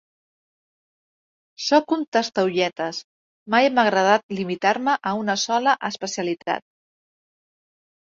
Sóc un tastaolletes: mai m'ha agradat limitar-me a una sola especialitat.